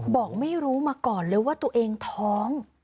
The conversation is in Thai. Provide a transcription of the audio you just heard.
บอกไม่รู้มาก่อนเลยว่าตัวเองท้อง